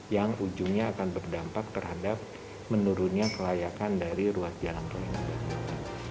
yang ujungnya akan berdampak terhadap menurunnya kelayakan dari ruas jalan tol yang ada di luar